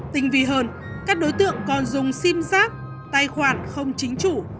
tình vi hơn các đối tượng còn dùng sim sáp tài khoản không chính chủ